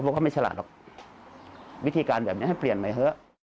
ก็ไม่ฉลาดหรอกวิธีการแบบนี้ให้เปลี่ยนใหม่เถอะ